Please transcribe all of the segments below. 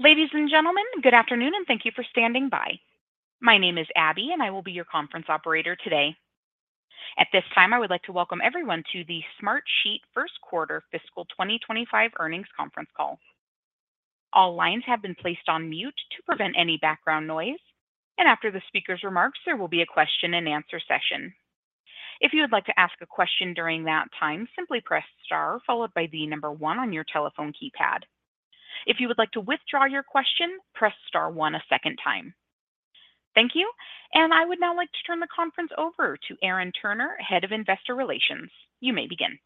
Ladies and gentlemen, good afternoon, and thank you for standing by. My name is Abby, and I will be your conference operator today. At this time, I would like to welcome everyone to the Smartsheet First Quarter Fiscal 2025 Earnings Conference Call. All lines have been placed on mute to prevent any background noise, and after the speaker's remarks, there will be a question-and-answer session. If you would like to ask a question during that time, simply press Star followed by the number one on your telephone keypad. If you would like to withdraw your question, press Star one a second time. Thank you, and I would now like to turn the conference over to Aaron Turner, Head of Investor Relations. You may begin.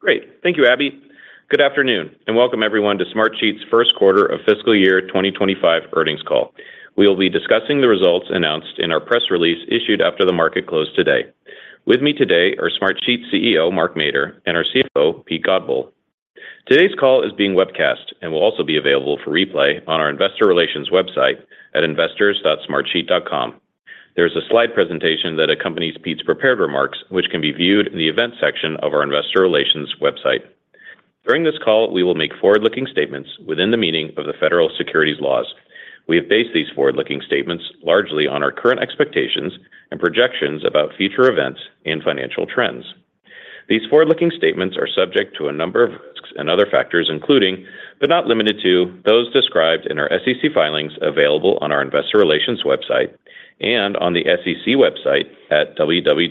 Great. Thank you, Abby. Good afternoon, and welcome everyone to Smartsheet's first quarter of fiscal year 2025 earnings call. We will be discussing the results announced in our press release issued after the market closed today. With me today are Smartsheet's CEO, Mark Mader, and our CFO, Pete Godbole. Today's call is being webcast and will also be available for replay on our investor relations website at investors.smartsheet.com. There is a slide presentation that accompanies Pete's prepared remarks, which can be viewed in the event section of our investor relations website. During this call, we will make forward-looking statements within the meaning of the Federal Securities laws. We have based these forward-looking statements largely on our current expectations and projections about future events and financial trends. These forward-looking statements are subject to a number of risks and other factors, including, but not limited to, those described in our SEC filings available on our investor relations website and on the SEC website at www.sec.gov.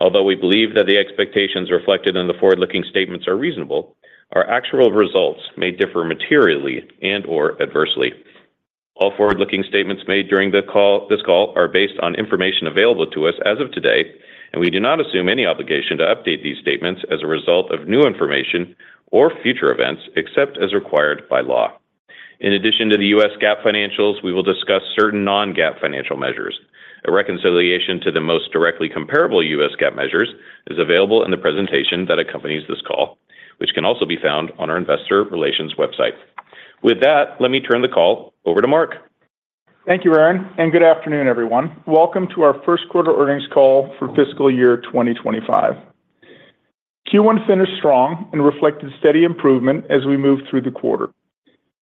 Although we believe that the expectations reflected in the forward-looking statements are reasonable, our actual results may differ materially and/or adversely. All forward-looking statements made during this call are based on information available to us as of today, and we do not assume any obligation to update these statements as a result of new information or future events, except as required by law. In addition to the U.S. GAAP financials, we will discuss certain non-GAAP financial measures. A reconciliation to the most directly comparable U.S. GAAP measures is available in the presentation that accompanies this call, which can also be found on our investor relations website. With that, let me turn the call over to Mark. Thank you, Aaron, and good afternoon, everyone. Welcome to our first quarter earnings call for fiscal year 2025. Q1 finished strong and reflected steady improvement as we moved through the quarter.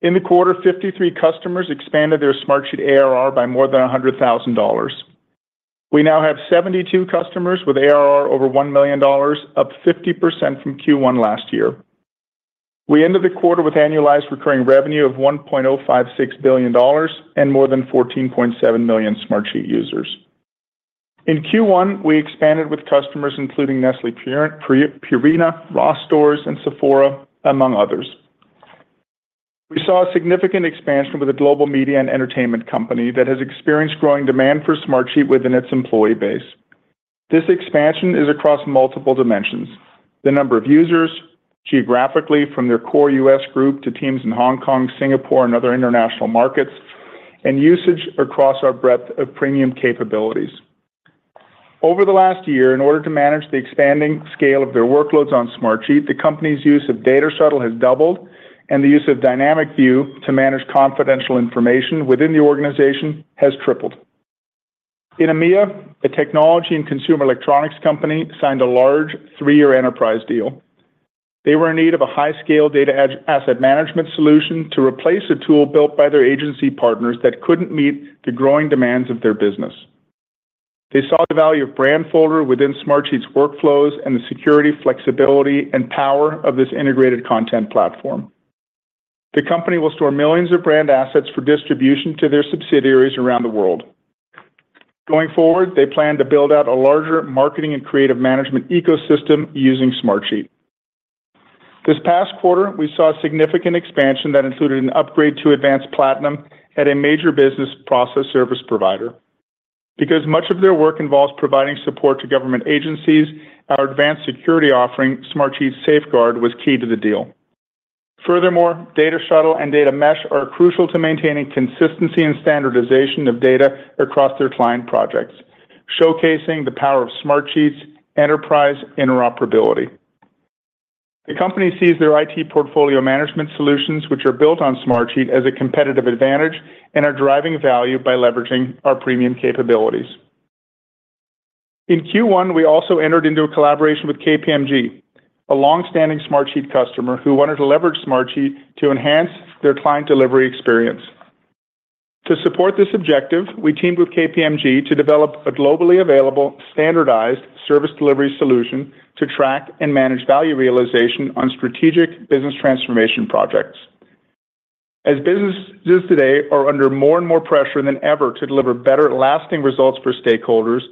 In the quarter, 53 customers expanded their Smartsheet ARR by more than $100,000. We now have 72 customers with ARR over $1 million, up 50% from Q1 last year. We ended the quarter with annualized recurring revenue of $1.056 billion and more than 14.7 million Smartsheet users. In Q1, we expanded with customers, including Nestlé Purina, Ross Stores, and Sephora, among others. We saw a significant expansion with a global media and entertainment company that has experienced growing demand for Smartsheet within its employee base. This expansion is across multiple dimensions: the number of users, geographically, from their core U.S. group to teams in Hong Kong, Singapore, and other international markets, and usage across our breadth of premium capabilities. Over the last year, in order to manage the expanding scale of their workloads on Smartsheet, the company's use of Data Shuttle has doubled, and the use of Dynamic View to manage confidential information within the organization has tripled. In EMEA, a technology and consumer electronics company signed a large 3-year enterprise deal. They were in need of a high-scale data asset management solution to replace a tool built by their agency partners that couldn't meet the growing demands of their business. They saw the value of Brandfolder within Smartsheet's workflows and the security, flexibility, and power of this integrated content platform. The company will store millions of brand assets for distribution to their subsidiaries around the world. Going forward, they plan to build out a larger marketing and creative management ecosystem using Smartsheet. This past quarter, we saw a significant expansion that included an upgrade to Advance Platinum at a major business process service provider. Because much of their work involves providing support to government agencies, our advanced security offering, Smartsheet Safeguard, was key to the deal. Furthermore, Data Shuttle and Data Mesh are crucial to maintaining consistency and standardization of data across their client projects, showcasing the power of Smartsheet's enterprise interoperability. The company sees their IT portfolio management solutions, which are built on Smartsheet as a competitive advantage and are driving value by leveraging our premium capabilities. In Q1, we also entered into a collaboration with KPMG, a long-standing Smartsheet customer who wanted to leverage Smartsheet to enhance their client delivery experience. To support this objective, we teamed with KPMG to develop a globally available, standardized service delivery solution to track and manage value realization on strategic business transformation projects. As businesses today are under more and more pressure than ever to deliver better lasting results for stakeholders,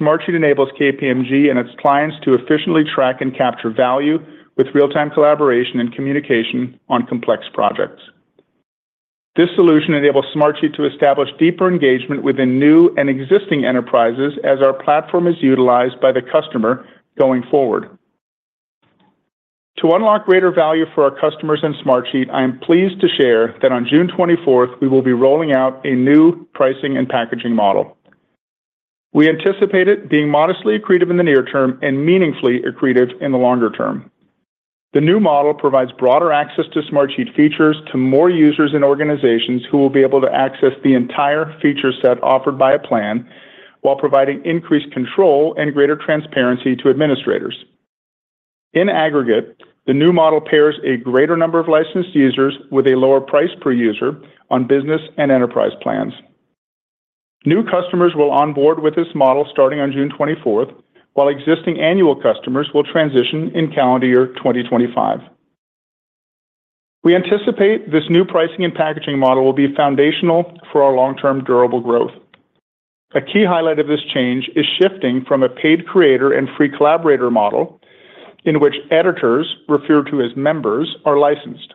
Smartsheet enables KPMG and its clients to efficiently track and capture value with real-time collaboration and communication on complex projects. This solution enables Smartsheet to establish deeper engagement within new and existing enterprises as our platform is utilized by the customer going forward. To unlock greater value for our customers in Smartsheet, I am pleased to share that on June 24th, we will be rolling out a new pricing and packaging model. We anticipate it being modestly accretive in the near term and meaningfully accretive in the longer term. The new model provides broader access to Smartsheet features to more users and organizations who will be able to access the entire feature set offered by a plan... while providing increased control and greater transparency to administrators. In aggregate, the new model pairs a greater number of licensed users with a lower price per user on business and enterprise plans. New customers will onboard with this model starting on June twenty-fourth, while existing annual customers will transition in calendar year 2025. We anticipate this new pricing and packaging model will be foundational for our long-term durable growth. A key highlight of this change is shifting from a paid creator and free collaborator model, in which editors, referred to as members, are licensed.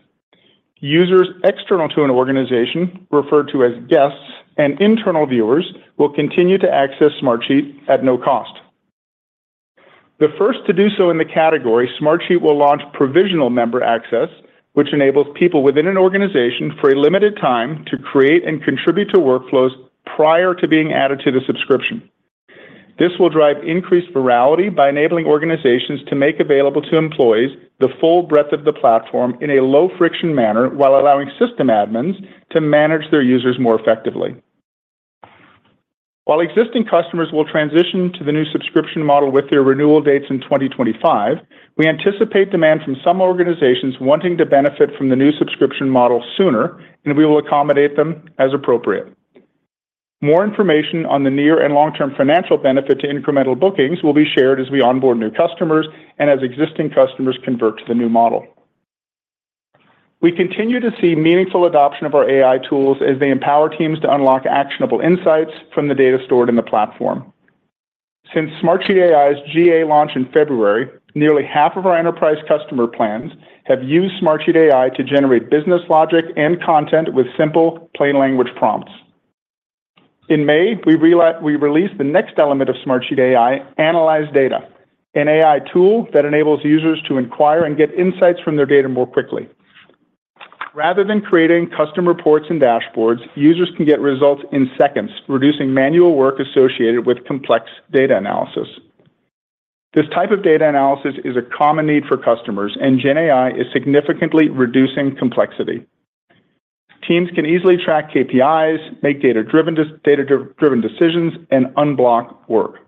Users external to an organization, referred to as guests, and internal viewers will continue to access Smartsheet at no cost. The first to do so in the category, Smartsheet will launch Provisional Member Access, which enables people within an organization, for a limited time, to create and contribute to workflows prior to being added to the subscription. This will drive increased virality by enabling organizations to make available to employees the full breadth of the platform in a low-friction manner, while allowing system admins to manage their users more effectively. While existing customers will transition to the new subscription model with their renewal dates in 2025, we anticipate demand from some organizations wanting to benefit from the new subscription model sooner, and we will accommodate them as appropriate. More information on the near and long-term financial benefit to incremental bookings will be shared as we onboard new customers and as existing customers convert to the new model. We continue to see meaningful adoption of our AI tools as they empower teams to unlock actionable insights from the data stored in the platform. Since Smartsheet AI's GA launch in February, nearly half of our enterprise customer plans have used Smartsheet AI to generate business logic and content with simple, plain language prompts. In May, we released the next element of Smartsheet AI, Analyze Data, an AI tool that enables users to inquire and get insights from their data more quickly. Rather than creating custom reports and dashboards, users can get results in seconds, reducing manual work associated with complex data analysis. This type of data analysis is a common need for customers, and GenAI is significantly reducing complexity. Teams can easily track KPIs, make data-driven decisions, and unblock work.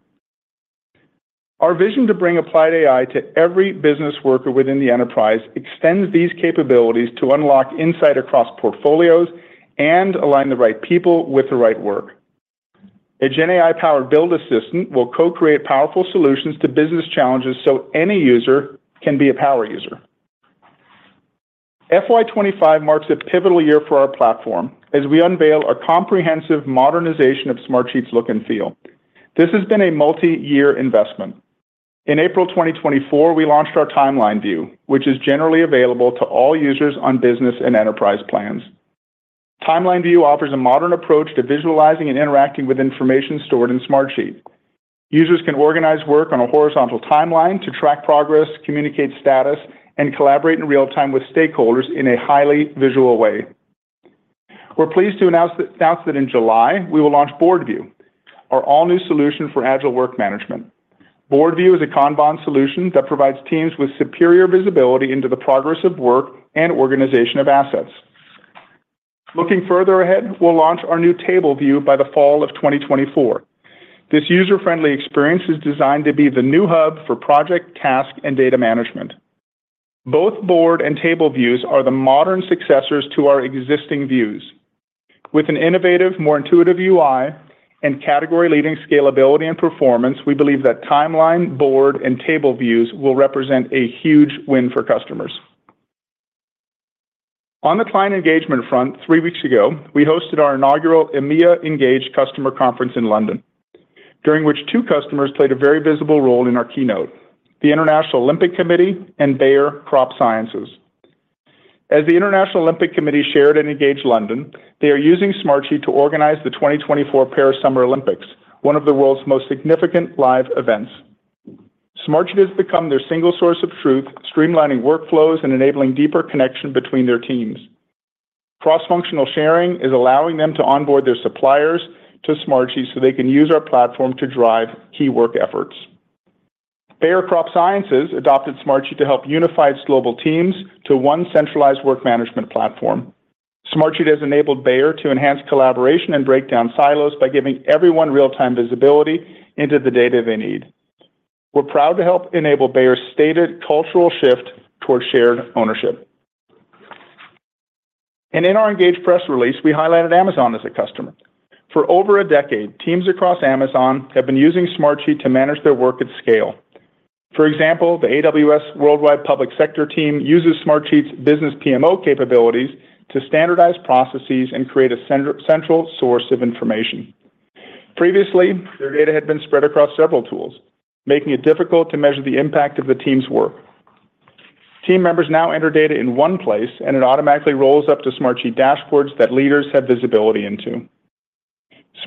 Our vision to bring applied AI to every business worker within the enterprise extends these capabilities to unlock insight across portfolios and align the right people with the right work. A GenAI-powered build assistant will co-create powerful solutions to business challenges so any user can be a power user. FY25 marks a pivotal year for our platform as we unveil our comprehensive modernization of Smartsheet's look and feel. This has been a multi-year investment. In April 2024, we launched our Timeline View, which is generally available to all users on business and enterprise plans. Timeline View offers a modern approach to visualizing and interacting with information stored in Smartsheet. Users can organize work on a horizontal timeline to track progress, communicate status, and collaborate in real time with stakeholders in a highly visual way. We're pleased to announce that in July, we will launch Board View, our all-new solution for agile work management. Board View is a Kanban solution that provides teams with superior visibility into the progress of work and organization of assets. Looking further ahead, we'll launch our new Table View by the fall of 2024. This user-friendly experience is designed to be the new hub for project, task, and data management. Both Board and Table Views are the modern successors to our existing views. With an innovative, more intuitive UI and category-leading scalability and performance, we believe that Timeline, Board, and Table Views will represent a huge win for customers. On the client engagement front, three weeks ago, we hosted our inaugural EMEA Engage Customer Conference in London, during which two customers played a very visible role in our keynote: the International Olympic Committee and Bayer Crop Science. As the International Olympic Committee shared in Engage London, they are using Smartsheet to organize the 2024 Paris Summer Olympics, one of the world's most significant live events. Smartsheet has become their single source of truth, streamlining workflows and enabling deeper connection between their teams. Cross-functional sharing is allowing them to onboard their suppliers to Smartsheet so they can use our platform to drive key work efforts. Bayer Crop Science adopted Smartsheet to help unify its global teams to one centralized work management platform. Smartsheet has enabled Bayer to enhance collaboration and break down silos by giving everyone real-time visibility into the data they need. We're proud to help enable Bayer's stated cultural shift towards shared ownership. In our Engage press release, we highlighted Amazon as a customer. For over a decade, teams across Amazon have been using Smartsheet to manage their work at scale. For example, the AWS Worldwide Public Sector team uses Smartsheet's business PMO capabilities to standardize processes and create a central source of information. Previously, their data had been spread across several tools, making it difficult to measure the impact of the team's work. Team members now enter data in one place, and it automatically rolls up to Smartsheet dashboards that leaders have visibility into.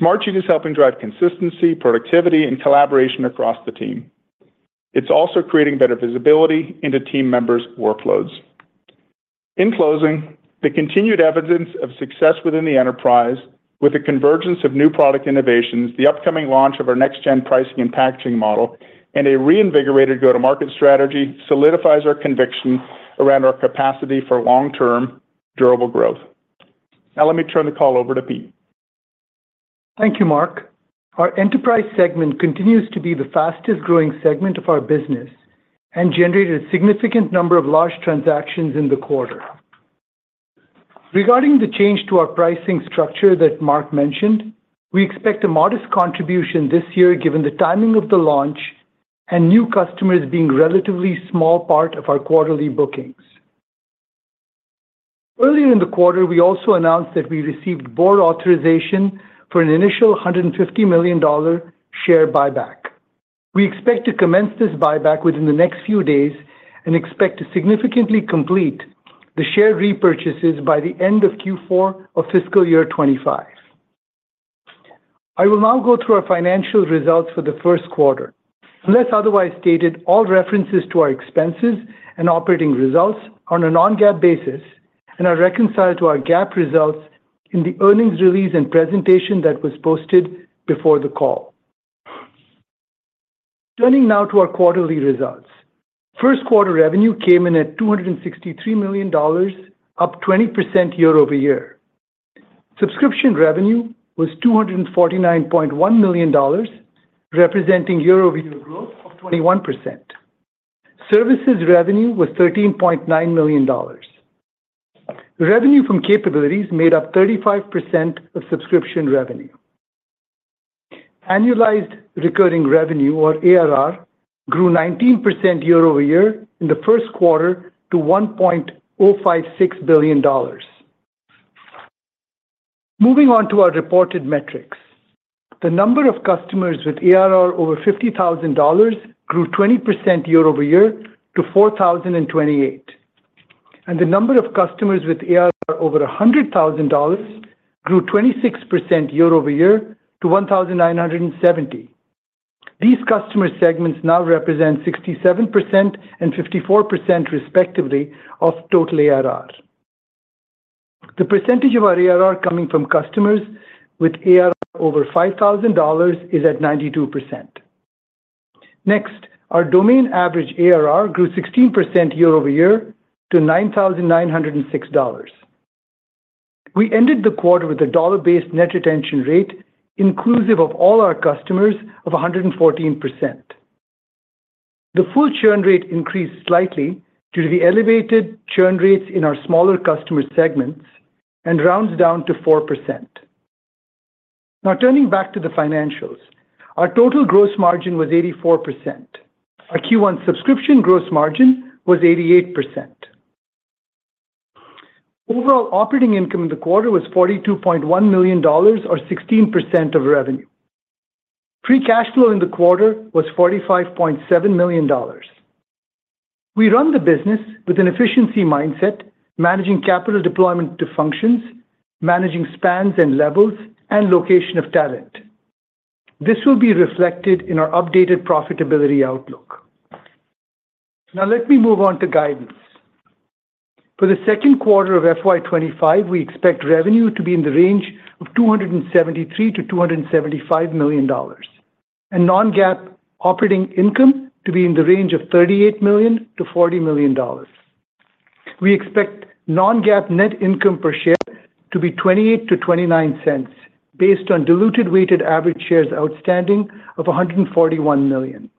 Smartsheet is helping drive consistency, productivity, and collaboration across the team. It's also creating better visibility into team members' workloads. In closing, the continued evidence of success within the enterprise with the convergence of new product innovations, the upcoming launch of our next-gen pricing and packaging model, and a reinvigorated go-to-market strategy solidifies our conviction around our capacity for long-term, durable growth. Now let me turn the call over to Pete. Thank you, Mark. Our enterprise segment continues to be the fastest-growing segment of our business and generated a significant number of large transactions in the quarter. Regarding the change to our pricing structure that Mark mentioned, we expect a modest contribution this year, given the timing of the launch and new customers being relatively small part of our quarterly bookings. Earlier in the quarter, we also announced that we received board authorization for an initial $150 million share buyback. We expect to commence this buyback within the next few days and expect to significantly complete the share repurchases by the end of Q4 of fiscal year 2025. I will now go through our financial results for the first quarter. Unless otherwise stated, all references to our expenses and operating results are on a non-GAAP basis and are reconciled to our GAAP results in the earnings release and presentation that was posted before the call. Turning now to our quarterly results. First quarter revenue came in at $263 million, up 20% year-over-year. Subscription revenue was $249.1 million, representing year-over-year growth of 21%. Services revenue was $13.9 million. Revenue from capabilities made up 35% of subscription revenue. Annualized recurring revenue, or ARR, grew 19% year-over-year in the first quarter to $1.056 billion. Moving on to our reported metrics. The number of customers with ARR over $50,000 grew 20% year-over-year to 4,028, and the number of customers with ARR over $100,000 grew 26% year-over-year to 1,970. These customer segments now represent 67% and 54%, respectively, of total ARR. The percentage of our ARR coming from customers with ARR over $5,000 is at 92%. Next, our median average ARR grew 16% year-over-year to $9,906. We ended the quarter with a dollar-based net retention rate, inclusive of all our customers, of 114%. The full churn rate increased slightly due to the elevated churn rates in our smaller customer segments and rounds down to 4%. Now, turning back to the financials, our total gross margin was 84%. Our Q1 subscription gross margin was 88%. Overall operating income in the quarter was $42.1 million or 16% of revenue. Free cash flow in the quarter was $45.7 million. We run the business with an efficiency mindset, managing capital deployment to functions, managing spans and levels, and location of talent. This will be reflected in our updated profitability outlook. Now let me move on to guidance. For the second quarter of FY25, we expect revenue to be in the range of $273 million-$275 million, and non-GAAP operating income to be in the range of $38 million-$40 million. We expect non-GAAP net income per share to be $0.28-$0.29, based on diluted weighted average shares outstanding of 141 million.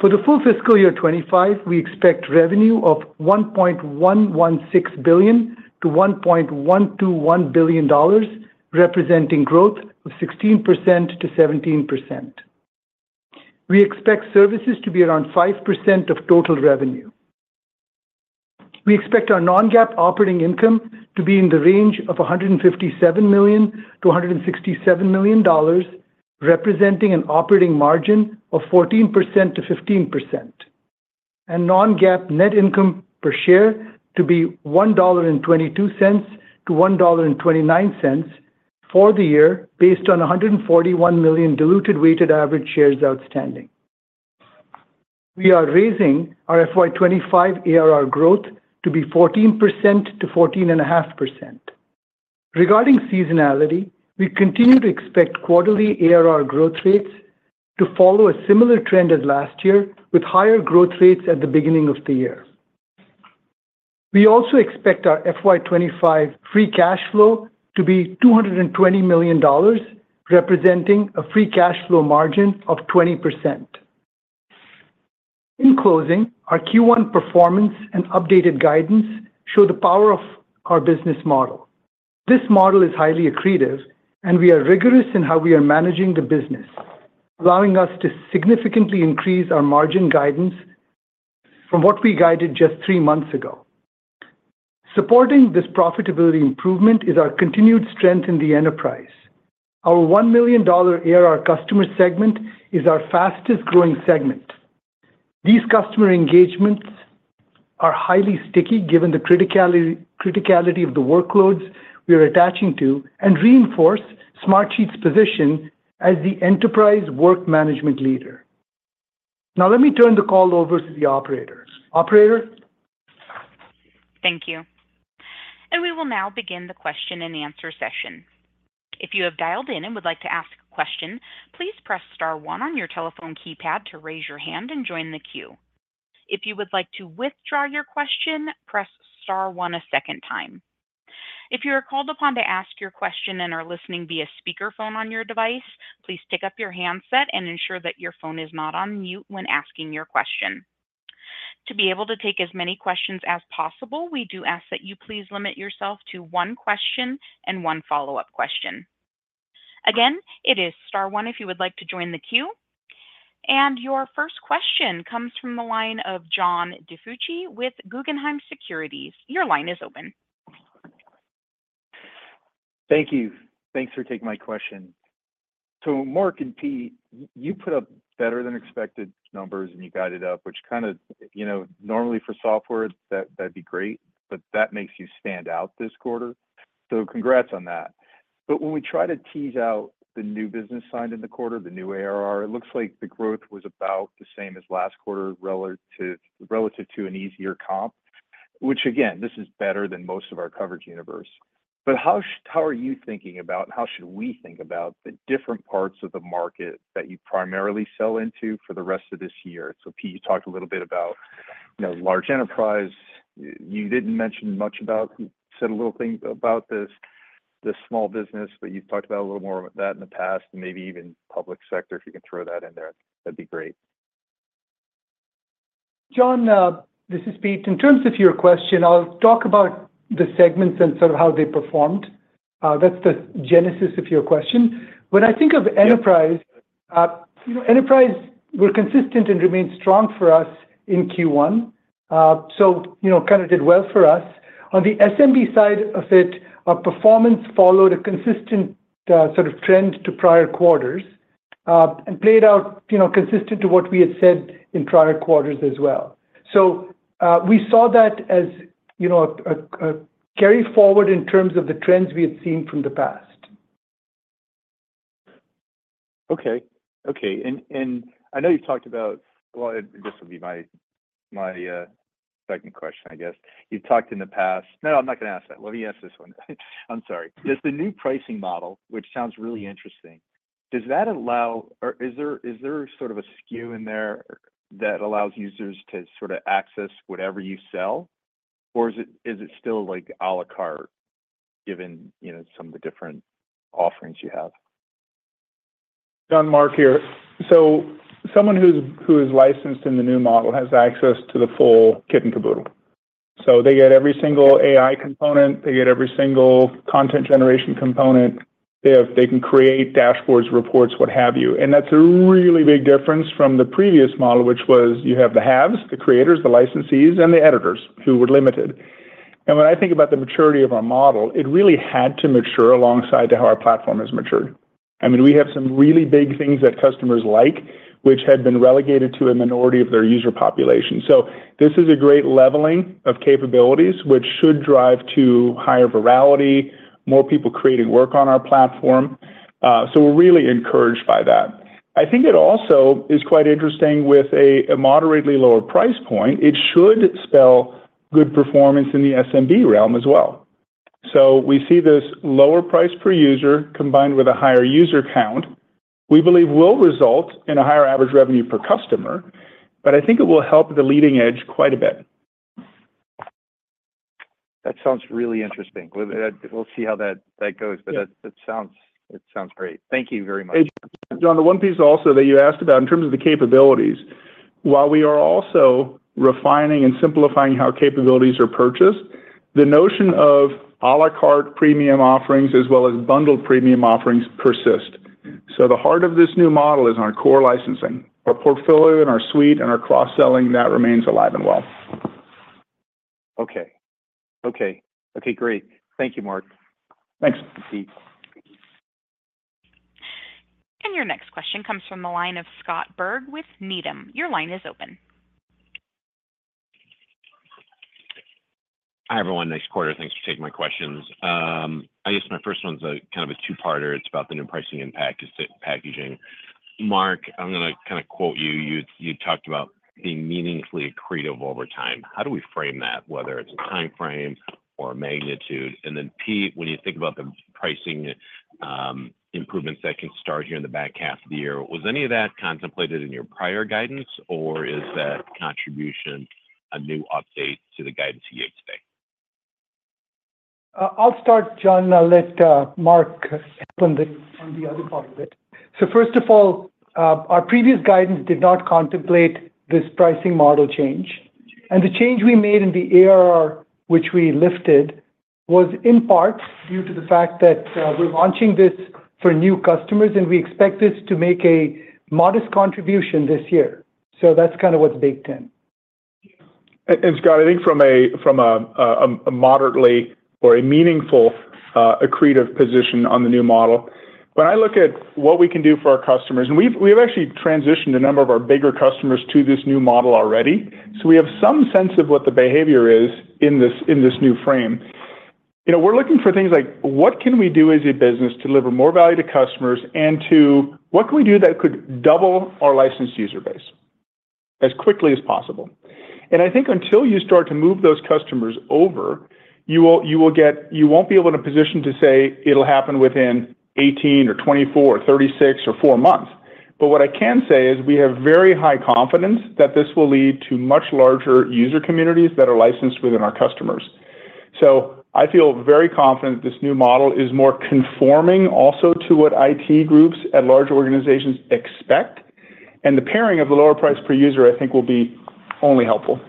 For the full fiscal year 2025, we expect revenue of $1.116 billion-$1.121 billion, representing growth of 16%-17%. We expect services to be around 5% of total revenue. We expect our non-GAAP operating income to be in the range of $157 million-$167 million, representing an operating margin of 14%-15%, and non-GAAP net income per share to be $1.22-$1.29 for the year, based on 141 million diluted weighted average shares outstanding. We are raising our FY25 ARR growth to be 14%-14.5%. Regarding seasonality, we continue to expect quarterly ARR growth rates to follow a similar trend as last year, with higher growth rates at the beginning of the year. We also expect our FY25 free cash flow to be $220 million, representing a free cash flow margin of 20%. In closing, our Q1 performance and updated guidance show the power of our business model. This model is highly accretive, and we are rigorous in how we are managing the business, allowing us to significantly increase our margin guidance from what we guided just three months ago. Supporting this profitability improvement is our continued strength in the enterprise. Our $1 million ARR customer segment is our fastest-growing segment. These customer engagements are highly sticky, given the criticality, criticality of the workloads we are attaching to, and reinforce Smartsheet's position as the enterprise work management leader. Now let me turn the call over to the operators. Operator? Thank you. We will now begin the question and answer session. If you have dialed in and would like to ask a question, please press star one on your telephone keypad to raise your hand and join the queue. If you would like to withdraw your question, press star one a second time. If you are called upon to ask your question and are listening via speakerphone on your device, please pick up your handset and ensure that your phone is not on mute when asking your question. To be able to take as many questions as possible, we do ask that you please limit yourself to one question and one follow-up question. Again, it is star one if you would like to join the queue, and your first question comes from the line of John DiFucci with Guggenheim Securities. Your line is open. Thank you. Thanks for taking my question. So Mark and Pete, you put up better than expected numbers, and you got it up, which kind of, you know, normally for software, that, that'd be great, but that makes you stand out this quarter. So congrats on that. But when we try to tease out the new business signed in the quarter, the new ARR, it looks like the growth was about the same as last quarter relative to, relative to an easier comp, which, again, this is better than most of our coverage universe. But how are you thinking about, and how should we think about the different parts of the market that you primarily sell into for the rest of this year? So, Pete, you talked a little bit about, you know, large enterprise. You didn't mention much about... You said a little thing about this, the small business, but you've talked about a little more about that in the past, and maybe even public sector. If you can throw that in there, that'd be great. John, this is Pete. In terms of your question, I'll talk about the segments and sort of how they performed. That's the genesis of your question. When I think of enterprise, Yeah. Enterprise were consistent and remained strong for us in Q1, so, you know, kind of did well for us. On the SMB side of it, our performance followed a consistent, sort of trend to prior quarters, and played out, you know, consistent to what we had said in prior quarters as well. So, we saw that as, you know, a carry forward in terms of the trends we had seen from the past. Okay. Okay, and I know you've talked about... Well, this would be my second question, I guess. You've talked in the past—no, I'm not gonna ask that. Let me ask this one. I'm sorry. Does the new pricing model, which sounds really interesting, allow or is there sort of a skew in there that allows users to sort of access whatever you sell? Or is it still like à la carte, given, you know, some of the different offerings you have? John, Mark here. So someone who's licensed in the new model has access to the full kit and caboodle. So they get every single AI component. They get every single content generation component. They have, they can create dashboards, reports, what have you, and that's a really big difference from the previous model, which was you have the haves, the creators, the licensees, and the editors, who were limited. And when I think about the maturity of our model, it really had to mature alongside to how our platform has matured. I mean, we have some really big things that customers like, which had been relegated to a minority of their user population. So this is a great leveling of capabilities, which should drive to higher virality, more people creating work on our platform. So we're really encouraged by that. I think it also is quite interesting with a moderately lower price point. It should spell good performance in the SMB realm as well. So we see this lower price per user combined with a higher user count, we believe, will result in a higher average revenue per customer, but I think it will help the leading edge quite a bit. That sounds really interesting. We'll see how that goes- Yeah But that sounds great. Thank you very much. John, the one piece also that you asked about in terms of the capabilities, while we are also refining and simplifying how capabilities are purchased, the notion of à la carte premium offerings as well as bundled premium offerings persist. So the heart of this new model is our core licensing. Our portfolio and our suite and our cross-selling, that remains alive and well. Okay. Okay. Okay, great. Thank you, Mark. Thanks, Pete. Your next question comes from the line of Scott Berg with Needham. Your line is open. Hi, everyone. Nice quarter. Thanks for taking my questions. I guess my first one's a kind of a two-parter. It's about the new pricing impact, packaging. Mark, I'm gonna kind of quote you. You, you talked about being meaningfully accretive over time. How do we frame that, whether it's a time frame or a magnitude? And then, Pete, when you think about the pricing, improvements that can start here in the back half of the year, was any of that contemplated in your prior guidance, or is that contribution a new update to the guidance you gave today? I'll start, John. I'll let Mark handle the other part of it. So first of all, our previous guidance did not contemplate this pricing model change, and the change we made in the ARR, which we lifted, was in part due to the fact that we're launching this for new customers, and we expect this to make a modest contribution this year. So that's kind of what's baked in. And, Scott, I think from a moderately or a meaningful accretive position on the new model, when I look at what we can do for our customers, and we have actually transitioned a number of our bigger customers to this new model already, so we have some sense of what the behavior is in this new frame. You know, we're looking for things like, what can we do as a business to deliver more value to customers and to what can we do that could double our licensed user base? as quickly as possible. And I think until you start to move those customers over, you get, you won't be able to position to say it'll happen within 18 or 24, or 36 or four months. But what I can say is we have very high confidence that this will lead to much larger user communities that are licensed within our customers. So I feel very confident this new model is more conforming also to what IT groups at large organizations expect, and the pairing of the lower price per user, I think, will be only helpful.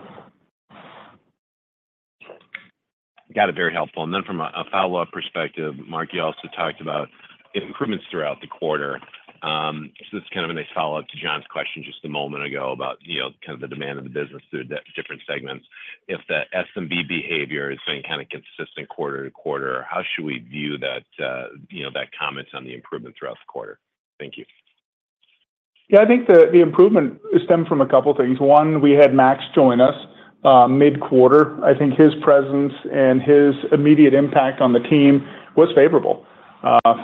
Got it. Very helpful. And then from a follow-up perspective, Mark, you also talked about improvements throughout the quarter. So it's kind of a nice follow-up to John's question just a moment ago about, you know, kind of the demand of the business through the different segments. If the SMB behavior is staying kind of consistent quarter to quarter, how should we view that, you know, that comments on the improvement throughout the quarter? Thank you. Yeah, I think the improvement stemmed from a couple things. One, we had Max join us mid-quarter. I think his presence and his immediate impact on the team was favorable.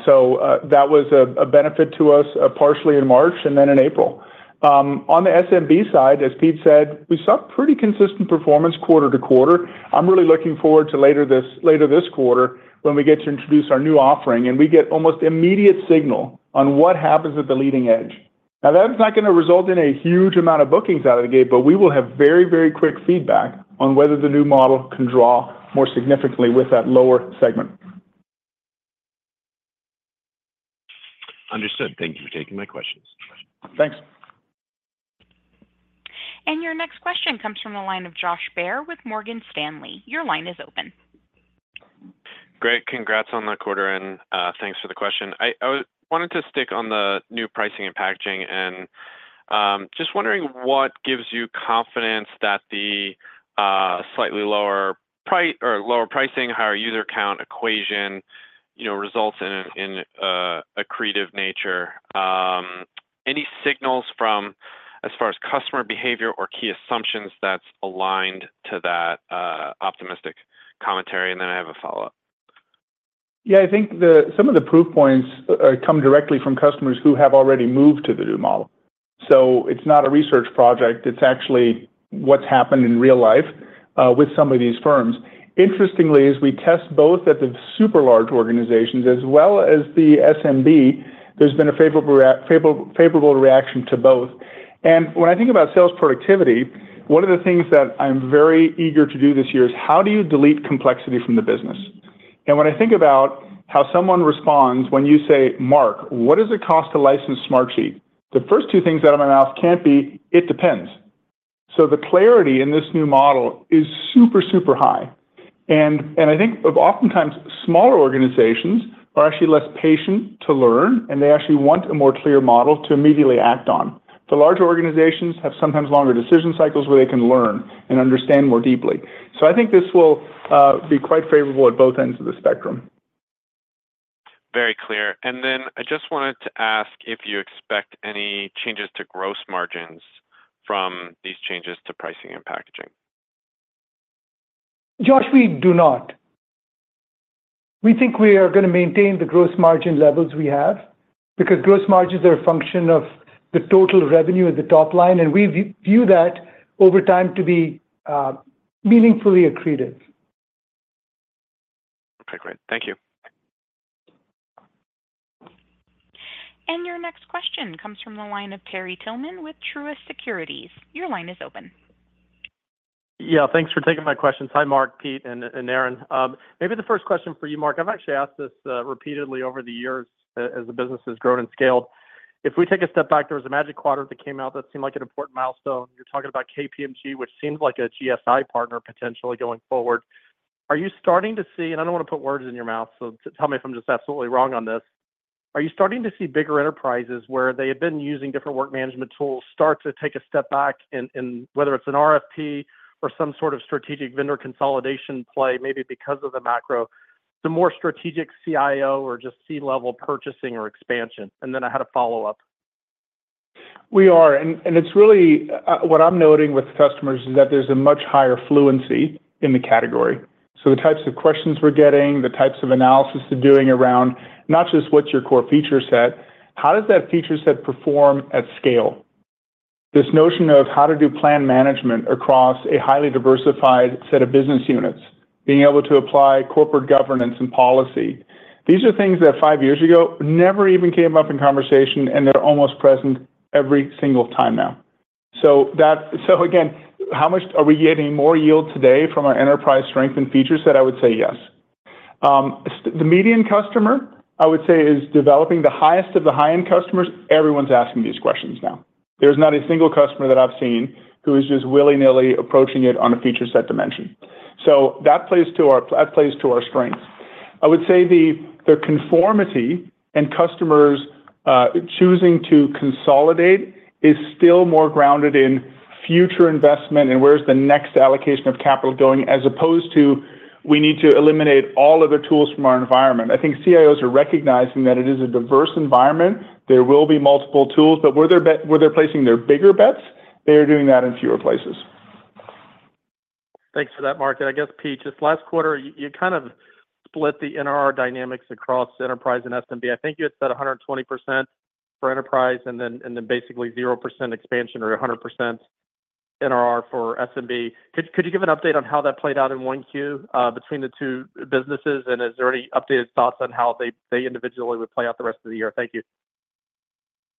So, that was a benefit to us partially in March and then in April. On the SMB side, as Pete said, we saw pretty consistent performance quarter to quarter. I'm really looking forward to later this quarter when we get to introduce our new offering, and we get almost immediate signal on what happens at the leading edge. Now, that's not gonna result in a huge amount of bookings out of the gate, but we will have very, very quick feedback on whether the new model can draw more significantly with that lower segment. Understood. Thank you for taking my questions. Thanks. Your next question comes from the line of Josh Baer with Morgan Stanley. Your line is open. Great. Congrats on the quarter, and, thanks for the question. I, I wanted to stick on the new pricing and packaging, and, just wondering what gives you confidence that the, slightly lower pri-- or lower pricing, higher user count equation, you know, results in, in, accretive nature? Any signals from, as far as customer behavior or key assumptions, that's aligned to that, optimistic commentary? And then I have a follow-up. Yeah, I think some of the proof points come directly from customers who have already moved to the new model. So it's not a research project, it's actually what's happened in real life with some of these firms. Interestingly, as we test both at the super large organizations as well as the SMB, there's been a favorable reaction to both. And when I think about sales productivity, one of the things that I'm very eager to do this year is: how do you delete complexity from the business? And when I think about how someone responds when you say, "Mark, what does it cost to license Smartsheet?" The first two things out of my mouth can't be, "It depends." So the clarity in this new model is super, super high. I think oftentimes, smaller organizations are actually less patient to learn, and they actually want a more clear model to immediately act on. The larger organizations have sometimes longer decision cycles where they can learn and understand more deeply. So I think this will be quite favorable at both ends of the spectrum. Very clear. Then I just wanted to ask if you expect any changes to gross margins from these changes to pricing and packaging. Josh, we do not. We think we are gonna maintain the gross margin levels we have, because gross margins are a function of the total revenue at the top line, and we view that over time to be meaningfully accretive. Okay, great. Thank you. Your next question comes from the line of Terry Tillman with Truist Securities. Your line is open. Yeah, thanks for taking my questions. Hi, Mark, Pete, and Aaron. Maybe the first question for you, Mark. I've actually asked this repeatedly over the years as the business has grown and scaled. If we take a step back, there was a Magic Quadrant that came out that seemed like an important milestone. You're talking about KPMG, which seems like a GSI partner, potentially going forward. Are you starting to see... I don't want to put words in your mouth, so tell me if I'm just absolutely wrong on this. Are you starting to see bigger enterprises where they have been using different work management tools, start to take a step back and whether it's an RFP or some sort of strategic vendor consolidation play, maybe because of the macro, the more strategic CIO or just C-level purchasing or expansion? I had a follow-up. It's really what I'm noting with customers is that there's a much higher fluency in the category. So the types of questions we're getting, the types of analysis they're doing around, not just what's your core feature set, how does that feature set perform at scale? This notion of how to do plan management across a highly diversified set of business units, being able to apply corporate governance and policy. These are things that five years ago never even came up in conversation, and they're almost present every single time now. So again, how much are we getting more yield today from our enterprise strength and feature set? I would say yes. The median customer, I would say, is developing the highest of the high-end customers. Everyone's asking these questions now. There's not a single customer that I've seen who is just willy-nilly approaching it on a feature set dimension. So that plays to our strengths. I would say the conformity and customers choosing to consolidate is still more grounded in future investment and where's the next allocation of capital going, as opposed to, we need to eliminate all other tools from our environment. I think CIOs are recognizing that it is a diverse environment. There will be multiple tools, but where they're placing their bigger bets, they are doing that in fewer places.... Thanks for that, Mark. I guess, Pete, just last quarter, you kind of split the NRR dynamics across enterprise and SMB. I think you had said 120% for enterprise, and then basically 0% expansion or 100% NRR for SMB. Could you give an update on how that played out in Q1 between the two businesses? And is there any updated thoughts on how they individually would play out the rest of the year? Thank you.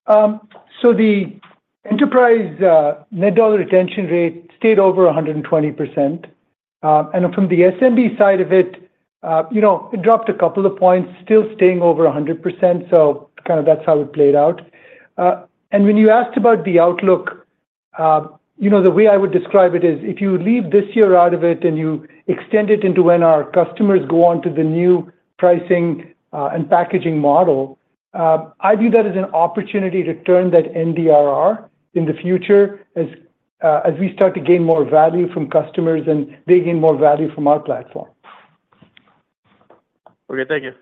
So the enterprise net dollar retention rate stayed over 120%. And from the SMB side of it, you know, it dropped a couple of points, still staying over 100%, so kind of that's how it played out. And when you asked about the outlook, you know, the way I would describe it is, if you leave this year out of it, and you extend it into when our customers go on to the new pricing and packaging model, I view that as an opportunity to turn that NDRR in the future as we start to gain more value from customers and they gain more value from our platform. Okay, thank you.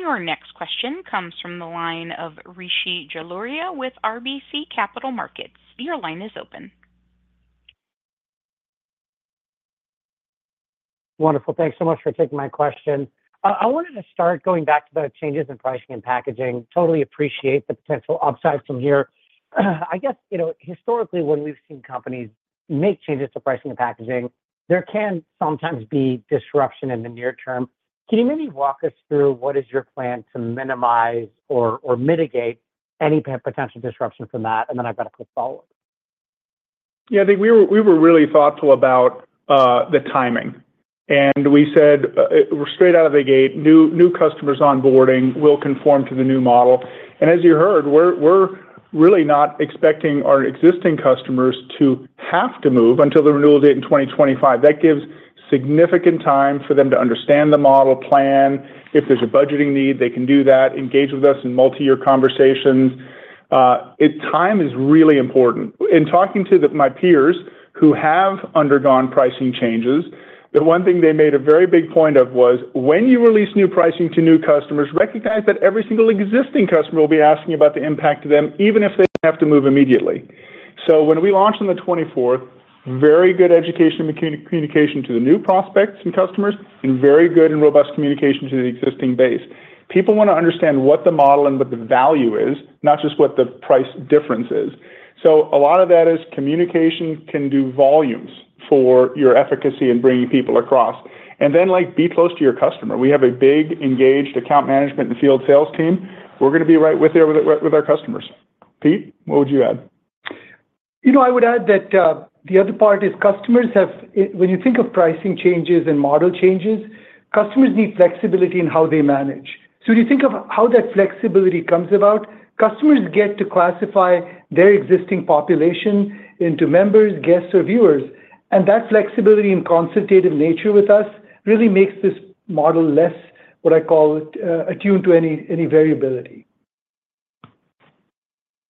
Your next question comes from the line of Rishi Jaluria with RBC Capital Markets. Your line is open. Wonderful. Thanks so much for taking my question. I wanted to start going back to the changes in pricing and packaging. Totally appreciate the potential upside from here. I guess, you know, historically, when we've seen companies make changes to pricing and packaging, there can sometimes be disruption in the near term. Can you maybe walk us through what is your plan to minimize or mitigate any potential disruption from that? And then I've got a quick follow-up. Yeah, I think we were really thoughtful about the timing, and we said straight out of the gate, new customers onboarding will conform to the new model. And as you heard, we're really not expecting our existing customers to have to move until the renewal date in 2025. That gives significant time for them to understand the model plan. If there's a budgeting need, they can do that, engage with us in multi-year conversations. Time is really important. In talking to my peers who have undergone pricing changes, the one thing they made a very big point of was, when you release new pricing to new customers, recognize that every single existing customer will be asking about the impact to them, even if they don't have to move immediately. So when we launch on the 24th, very good education and communication to the new prospects and customers, and very good and robust communication to the existing base. People wanna understand what the model and what the value is, not just what the price difference is. So a lot of that is communication can do volumes for your efficacy in bringing people across. And then, like, be close to your customer. We have a big, engaged account management and field sales team. We're gonna be right with you, with, with our customers. Pete, what would you add? You know, I would add that, the other part is customers have... When you think of pricing changes and model changes, customers need flexibility in how they manage. So when you think of how that flexibility comes about, customers get to classify their existing population into members, guests, or viewers. And that flexibility and consultative nature with us really makes this model less, what I call, attuned to any, any variability.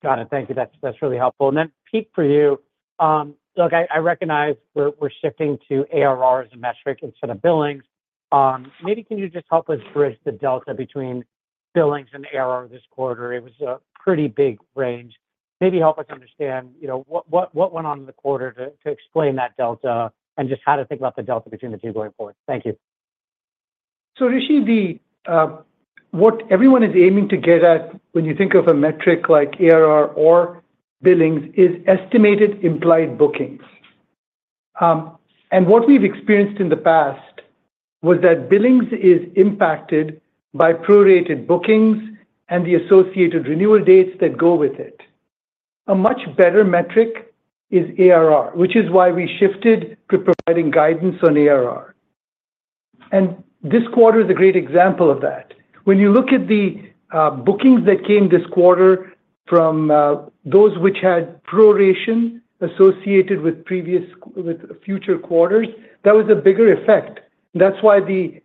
Got it. Thank you. That's, that's really helpful. And then, Pete, for you, look, I, I recognize we're, we're shifting to ARR as a metric instead of billings. Maybe can you just help us bridge the delta between billings and ARR this quarter? It was a pretty big range. Maybe help us understand, you know, what, what, what went on in the quarter to, to explain that delta, and just how to think about the delta between the two going forward. Thank you. So, Rishi, the, what everyone is aiming to get at when you think of a metric like ARR or billings is estimated implied bookings. And what we've experienced in the past was that billings is impacted by prorated bookings and the associated renewal dates that go with it. A much better metric is ARR, which is why we shifted to providing guidance on ARR. And this quarter is a great example of that. When you look at the bookings that came this quarter from those which had proration associated with previous... with future quarters, that was a bigger effect. That's why the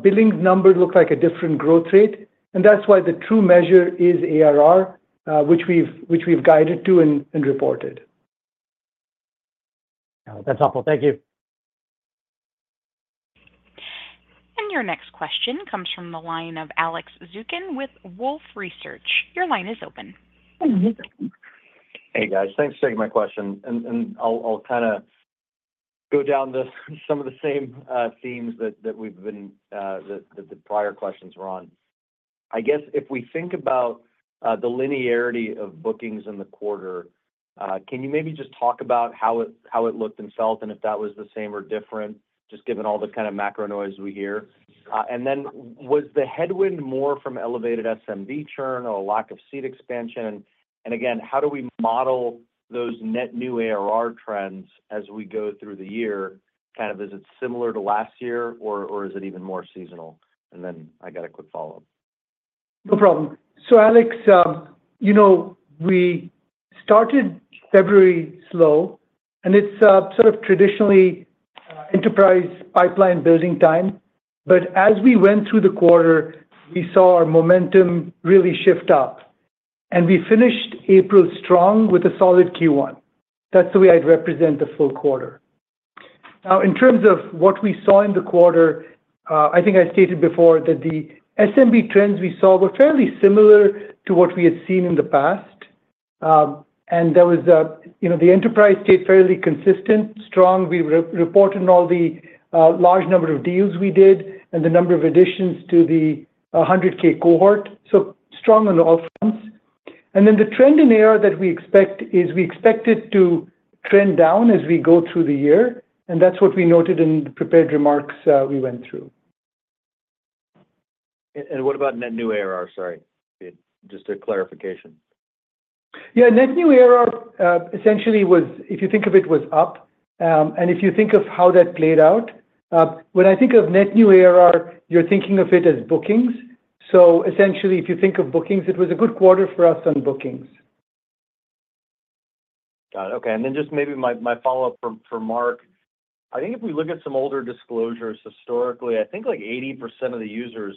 billings number looked like a different growth rate, and that's why the true measure is ARR, which we've, which we've guided to and reported. That's helpful. Thank you. Your next question comes from the line of Alex Zukin with Wolfe Research. Your line is open. Hey, guys, thanks for taking my question, and I'll kind of go down some of the same themes that the prior questions were on. I guess if we think about the linearity of bookings in the quarter, can you maybe just talk about how it looked in Self, and if that was the same or different, just given all the kind of macro noise we hear? And then was the headwind more from elevated SMB churn or lack of seat expansion? And again, how do we model those net new ARR trends as we go through the year? Kind of, is it similar to last year or is it even more seasonal? And then I got a quick follow-up. No problem. So, Alex, you know, we started February slow, and it's sort of traditionally enterprise pipeline building time. But as we went through the quarter, we saw our momentum really shift up, and we finished April strong with a solid Q1. That's the way I'd represent the full quarter. Now, in terms of what we saw in the quarter, I think I stated before that the SMB trends we saw were fairly similar to what we had seen in the past. And there was, you know, the enterprise stayed fairly consistent, strong. We re-reported all the large number of deals we did and the number of additions to the hundred k cohort, so strong on all fronts. And then the trend in ARR that we expect is we expect it to trend down as we go through the year, and that's what we noted in the prepared remarks, we went through. What about net new ARR? Sorry, just a clarification. Yeah, net new ARR essentially was, if you think of it, was up. And if you think of how that played out, when I think of net new ARR, you're thinking of it as bookings. So essentially, if you think of bookings, it was a good quarter for us on bookings. Got it. Okay. And then just maybe my follow-up for Mark. I think if we look at some older disclosures historically, I think, like, 80% of the users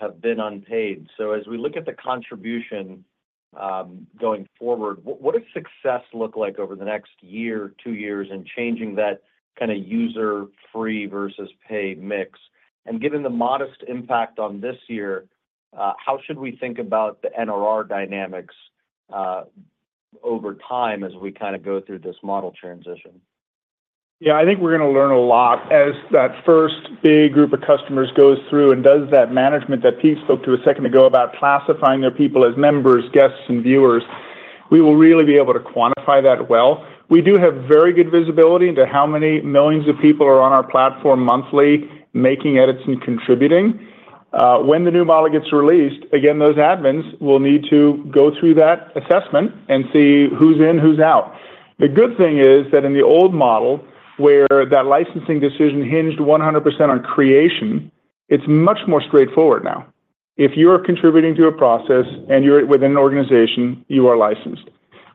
have been unpaid. So as we look at the contribution going forward, what does success look like over the next year, two years, in changing that kind of user free versus paid mix? And given the modest impact on this year, how should we think about the NRR dynamics over time as we kinda go through this model transition? Yeah, I think we're gonna learn a lot. As that first big group of customers goes through and does that management that Pete spoke to a second ago about classifying their people as members, guests, and viewers, we will really be able to quantify that well. We do have very good visibility into how many millions of people are on our platform monthly, making edits and contributing. When the new model gets released, again, those admins will need to go through that assessment and see who's in, who's out. The good thing is that in the old model, where that licensing decision hinged 100% on creation, it's much more straightforward now. If you're contributing to a process and you're within an organization, you are licensed,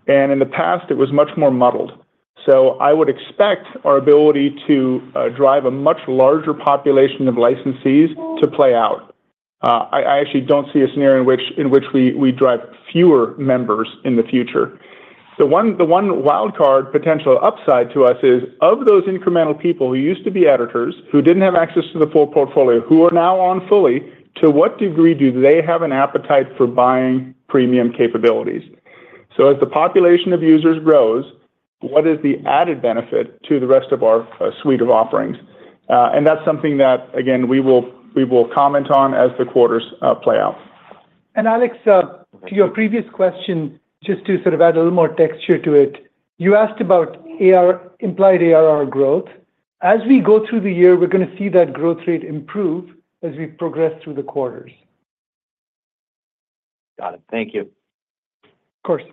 and in the past, it was much more muddled. So I would expect our ability to drive a much larger population of licensees to play out. I actually don't see a scenario in which we drive fewer members in the future. The one wild card potential upside to us is, of those incremental people who used to be editors, who didn't have access to the full portfolio, who are now on fully, to what degree do they have an appetite for buying premium capabilities? So as the population of users grows, what is the added benefit to the rest of our suite of offerings? And that's something that, again, we will comment on as the quarters play out. Alex, to your previous question, just to sort of add a little more texture to it, you asked about ARR-implied ARR growth. As we go through the year, we're gonna see that growth rate improve as we progress through the quarters. Got it. Thank you. Of course.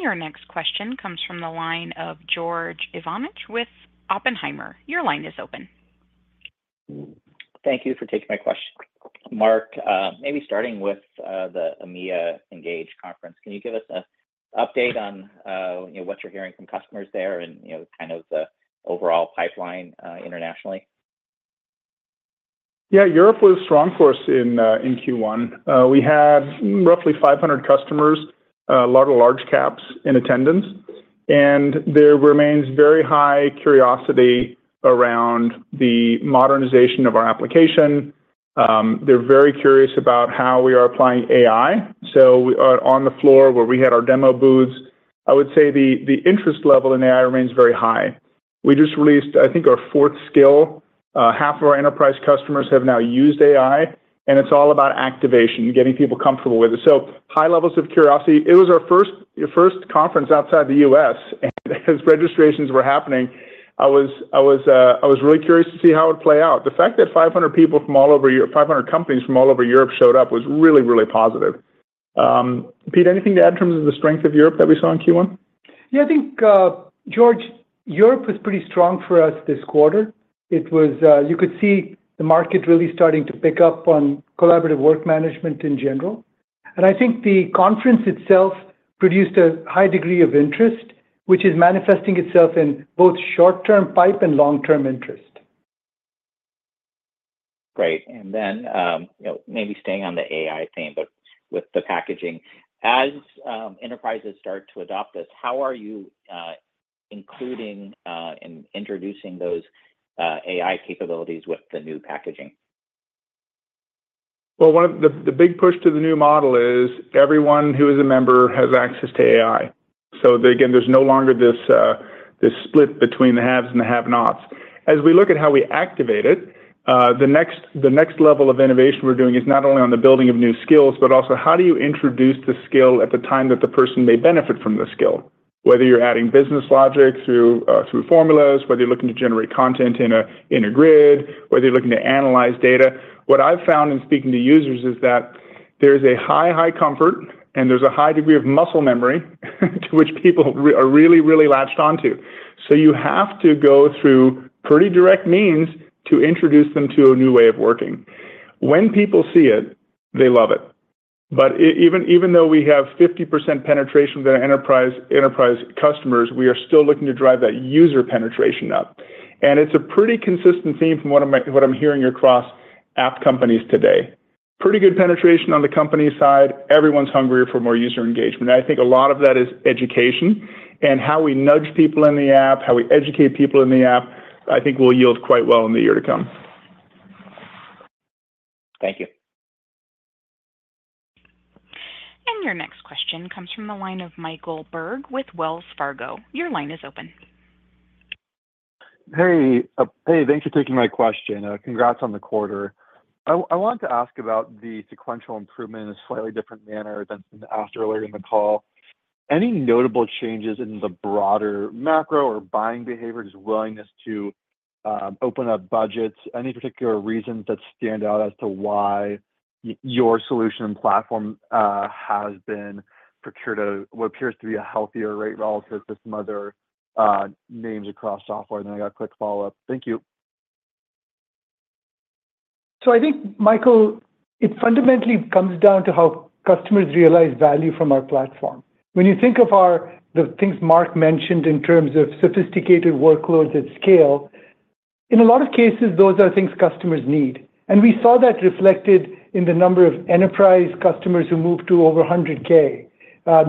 Your next question comes from the line of George Iwanyc with Oppenheimer. Your line is open. Thank you for taking my question. Mark, maybe starting with the EMEA Engage conference, can you give us an update on, you know, what you're hearing from customers there and, you know, kind of the overall pipeline internationally? Yeah, Europe was strong for us in Q1. We had roughly 500 customers, a lot of large caps in attendance, and there remains very high curiosity around the modernization of our application. They're very curious about how we are applying AI. So, on the floor where we had our demo booths, I would say the interest level in AI remains very high. We just released, I think, our fourth skill. Half of our enterprise customers have now used AI, and it's all about activation, getting people comfortable with it. So high levels of curiosity. It was our first, your first conference outside the U.S., and as registrations were happening, I was really curious to see how it would play out. The fact that 500 people from all over Europe, 500 companies from all over Europe showed up was really, really positive. Pete, anything to add in terms of the strength of Europe that we saw in Q1? Yeah, I think, George, Europe was pretty strong for us this quarter. It was. You could see the market really starting to pick up on collaborative work management in general. And I think the conference itself produced a high degree of interest, which is manifesting itself in both short-term pipe and long-term interest. Great. And then, you know, maybe staying on the AI theme, but with the packaging, as enterprises start to adopt this, how are you including and introducing those AI capabilities with the new packaging? Well, one of the big push to the new model is everyone who is a member has access to AI. So again, there's no longer this, this split between the haves and the have-nots. As we look at how we activate it, the next level of innovation we're doing is not only on the building of new skills, but also how do you introduce the skill at the time that the person may benefit from the skill? Whether you're adding business logic through formulas, whether you're looking to generate content in a grid, whether you're looking to analyze data. What I've found in speaking to users is that there's a high, high comfort, and there's a high degree of muscle memory, to which people are really, really latched onto. So you have to go through pretty direct means to introduce them to a new way of working. When people see it, they love it. But even though we have 50% penetration with our enterprise customers, we are still looking to drive that user penetration up. And it's a pretty consistent theme from what I'm hearing across app companies today. Pretty good penetration on the company side. Everyone's hungrier for more user engagement. I think a lot of that is education and how we nudge people in the app, how we educate people in the app, I think will yield quite well in the year to come. Thank you. Your next question comes from the line of Michael Berg with Wells Fargo. Your line is open. Hey, hey, thanks for taking my question. Congrats on the quarter. I wanted to ask about the sequential improvement in a slightly different manner than asked earlier in the call. Any notable changes in the broader macro or buying behavior, just willingness to open up budgets? Any particular reasons that stand out as to why your solution and platform has been procured at what appears to be a healthier rate relative to some other names across software? Then I got a quick follow-up. Thank you. So I think, Michael, it fundamentally comes down to how customers realize value from our platform. When you think of our, the things Mark mentioned in terms of sophisticated workloads at scale, in a lot of cases, those are things customers need. And we saw that reflected in the number of enterprise customers who moved to over $100K,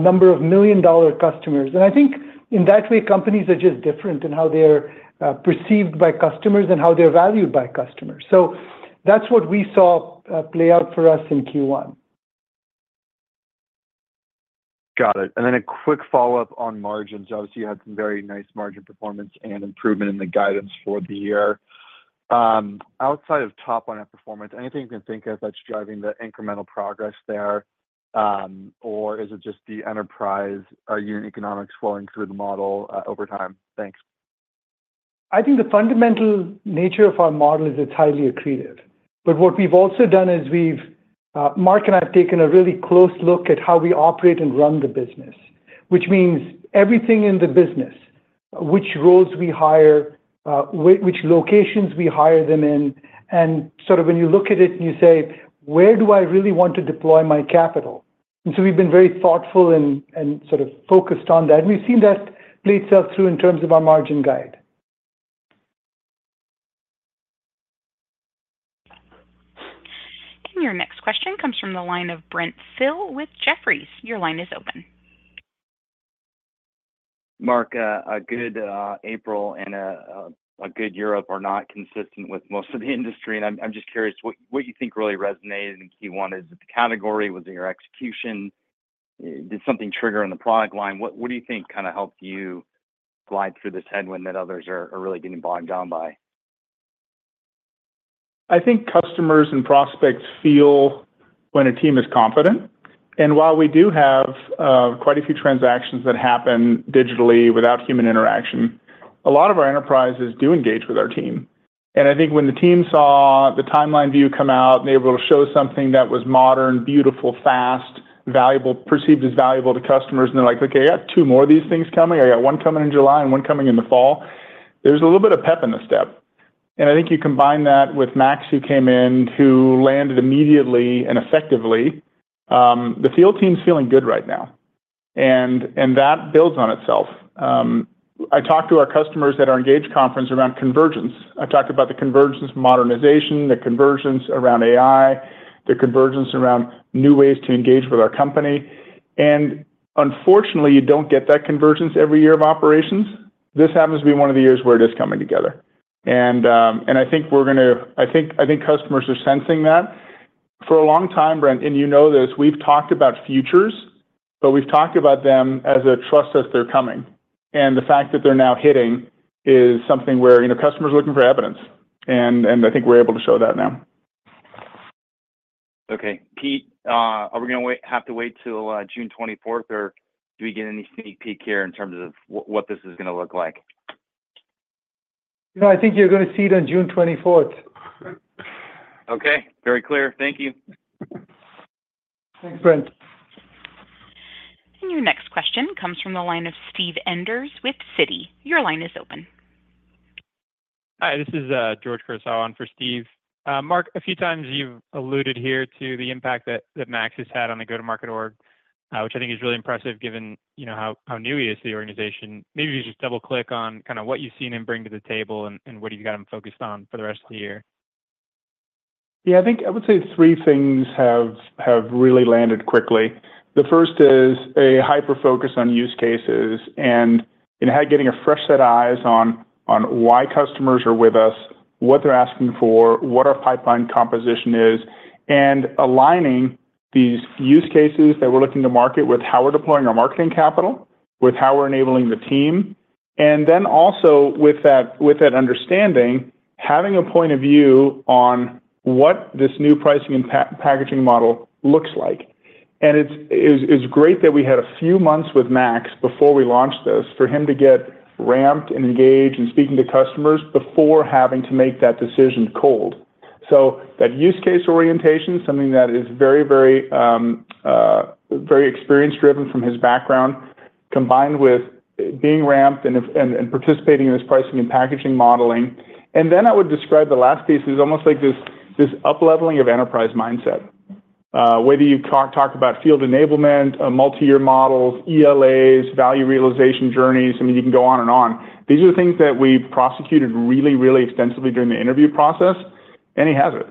number of million-dollar customers. And I think in that way, companies are just different in how they're perceived by customers and how they're valued by customers. So that's what we saw play out for us in Q1. Got it. And then a quick follow-up on margins. Obviously, you had some very nice margin performance and improvement in the guidance for the year. Outside of top-line performance, anything you can think of that's driving the incremental progress there, or is it just the enterprise, unit economics flowing through the model, over time? Thanks. I think the fundamental nature of our model is it's highly accretive. But what we've also done is we've, Mark and I have taken a really close look at how we operate and run the business, which means everything in the business, which roles we hire, which locations we hire them in, and sort of when you look at it and you say, "Where do I really want to deploy my capital?" And so we've been very thoughtful and, and sort of focused on that, and we've seen that play itself through in terms of our margin guide. Your next question comes from the line of Brent Thill with Jefferies. Your line is open. Mark, a good April and a good Europe are not consistent with most of the industry, and I'm just curious, what you think really resonated in Q1? Is it the category? Was it your execution? Did something trigger in the product line? What do you think kinda helped you glide through this headwind that others are really getting bogged down by? I think customers and prospects feel when a team is confident. And while we do have quite a few transactions that happen digitally without human interaction, a lot of our enterprises do engage with our team. And I think when the team saw the Timeline View come out, and they able to show something that was modern, beautiful, fast, valuable, perceived as valuable to customers, and they're like: "Okay, I have two more of these things coming. I got one coming in July and one coming in the fall," there's a little bit of pep in the step. And I think you combine that with Max, who came in, who landed immediately and effectively, the field team's feeling good right now, and that builds on itself. I talked to our customers at our Engage conference around convergence. I talked about the convergence modernization, the convergence around AI, the convergence around new ways to engage with our company, and unfortunately, you don't get that convergence every year of operations. This happens to be one of the years where it is coming together. And I think we're gonna. I think customers are sensing that. For a long time, Brent, and you know this, we've talked about features, but we've talked about them as a truth that they're coming. And the fact that they're now hitting is something where, you know, customers are looking for evidence, and I think we're able to show that now. Okay. Pete, are we gonna wait, have to wait till June twenty-fourth, or do we get any sneak peek here in terms of what, what this is gonna look like? No, I think you're gonna see it on June 24th. Okay, very clear. Thank you. Thanks, Brent. Your next question comes from the line of Steve Enders with Citi. Your line is open. Hi, this is George Kurosawa on for Steve. Mark, a few times you've alluded here to the impact that that Max has had on the go-to-market org, which I think is really impressive, given you know how new he is to the organization. Maybe just double-click on kinda what you've seen him bring to the table and what you got him focused on for the rest of the year. Yeah, I think I would say three things have really landed quickly. The first is a hyper-focus on use cases and having getting a fresh set of eyes on why customers are with us, what they're asking for, what our pipeline composition is, and aligning these use cases that we're looking to market with how we're deploying our marketing capital, with how we're enabling the team. And then also with that understanding, having a point of view on what this new pricing and packaging model looks like. And it's great that we had a few months with Max before we launched this, for him to get ramped and engaged and speaking to customers before having to make that decision cold. So that use case orientation, something that is very, very, very experience-driven from his background, combined with being ramped and participating in this pricing and packaging modeling. And then I would describe the last piece is almost like this upleveling of enterprise mindset... whether you talk about field enablement, multi-year models, ELAs, value realization journeys, I mean, you can go on and on. These are the things that we prosecuted really, really extensively during the interview process, and he has it.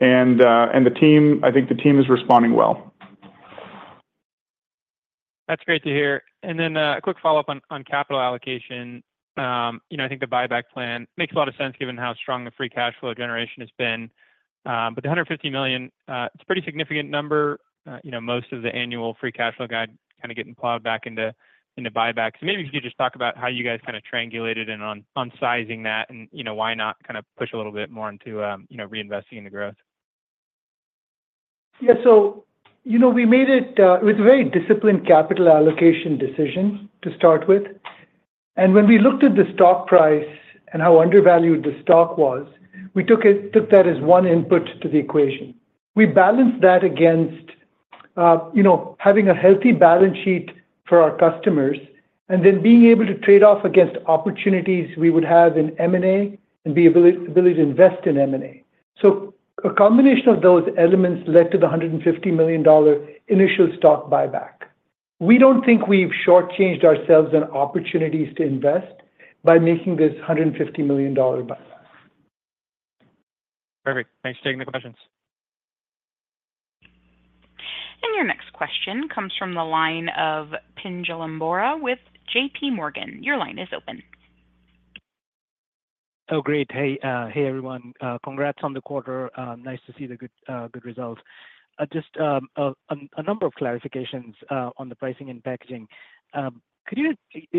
And the team, I think the team is responding well. That's great to hear. And then, a quick follow-up on capital allocation. You know, I think the buyback plan makes a lot of sense given how strong the free cash flow generation has been. But the $150 million, it's a pretty significant number. You know, most of the annual free cash flow guide kind of getting plowed back into buybacks. So maybe if you could just talk about how you guys kind of triangulated in on sizing that and, you know, why not kind of push a little bit more into, you know, reinvesting in the growth? Yeah. So, you know, we made it. It was a very disciplined capital allocation decision to start with. And when we looked at the stock price and how undervalued the stock was, we took it- took that as one input to the equation. We balanced that against, you know, having a healthy balance sheet for our customers, and then being able to trade off against opportunities we would have in M&A, and the ability, ability to invest in M&A. So a combination of those elements led to the $150 million initial stock buyback. We don't think we've shortchanged ourselves on opportunities to invest by making this $150 million buyback. Perfect. Thanks for taking the questions. Your next question comes from the line of Pinjalim Bora with JP Morgan. Your line is open. Oh, great. Hey, everyone. Congrats on the quarter. Nice to see the good, good results. Just a number of clarifications on the pricing and packaging. Could you--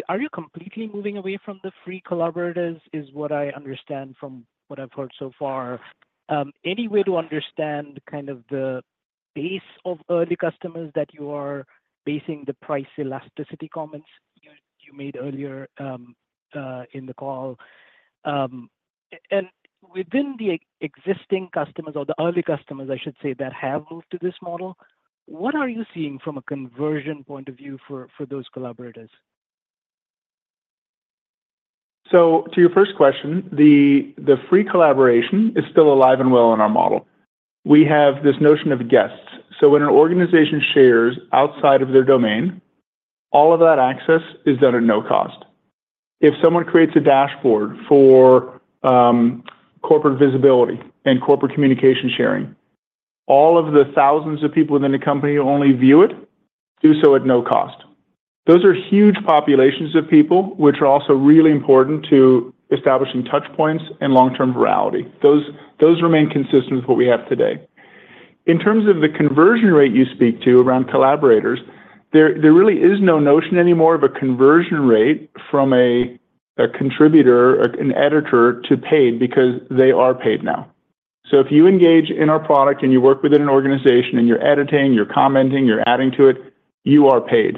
Are you completely moving away from the free collaborators, is what I understand from what I've heard so far? Any way to understand kind of the base of early customers that you are basing the price elasticity comments you, you made earlier in the call? And within the existing customers or the early customers, I should say, that have moved to this model, what are you seeing from a conversion point of view for, for those collaborators? So to your first question, the free collaboration is still alive and well in our model. We have this notion of guests. So when an organization shares outside of their domain, all of that access is done at no cost. If someone creates a dashboard for corporate visibility and corporate communication sharing, all of the thousands of people within the company who only view it, do so at no cost. Those are huge populations of people, which are also really important to establishing touch points and long-term virality. Those remain consistent with what we have today. In terms of the conversion rate you speak to around collaborators, there really is no notion anymore of a conversion rate from a contributor or an editor to paid, because they are paid now. So if you engage in our product and you work within an organization, and you're editing, you're commenting, you're adding to it, you are paid.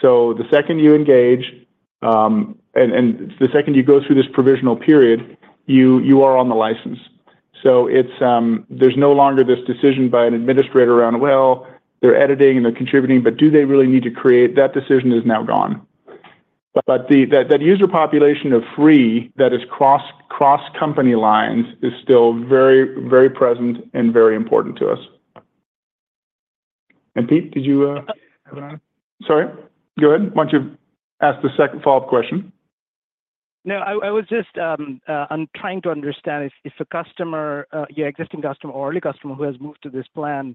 So the second you engage, and the second you go through this provisional period, you are on the license. So it's, there's no longer this decision by an administrator around, "Well, they're editing, and they're contributing, but do they really need to create?" That decision is now gone. But that user population of free that is cross company lines is still very, very present and very important to us. And, Pete, did you have a... Sorry. Go ahead. Why don't you ask the second follow-up question? No, I was just, I'm trying to understand if a customer, your existing customer or early customer who has moved to this plan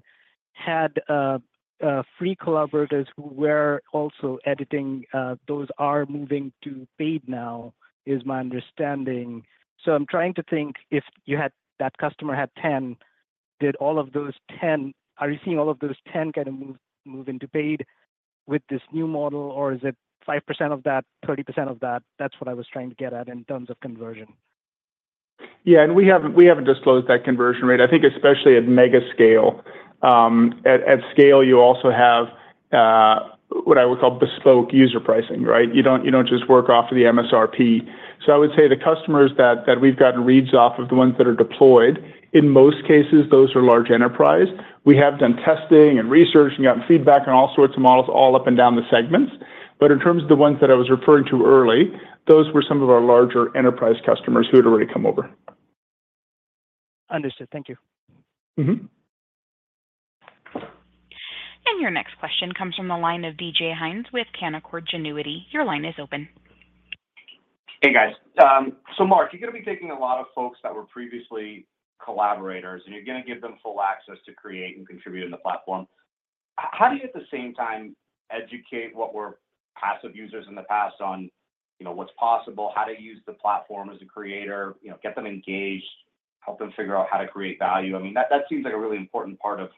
had free collaborators who were also editing, those are moving to paid now, is my understanding. So I'm trying to think if you had... that customer had 10, did all of those 10—are you seeing all of those 10 kind of move to paid with this new model, or is it 5% of that, 30% of that? That's what I was trying to get at in terms of conversion. Yeah, and we haven't disclosed that conversion rate. I think especially at mega scale, at scale, you also have what I would call bespoke user pricing, right? You don't just work off of the MSRP. So I would say the customers that we've gotten reads off of the ones that are deployed, in most cases, those are large enterprise. We have done testing and research and gotten feedback on all sorts of models all up and down the segments. But in terms of the ones that I was referring to earlier, those were some of our larger enterprise customers who had already come over. Understood. Thank you. Mm-hmm. Your next question comes from the line of DJ Hynes with Canaccord Genuity. Your line is open. Hey, guys. So Mark, you're gonna be taking a lot of folks that were previously collaborators, and you're gonna give them full access to create and contribute in the platform. How do you, at the same time, educate what were passive users in the past on, you know, what's possible, how to use the platform as a creator, you know, get them engaged, help them figure out how to create value? I mean, that, that seems like a really important part of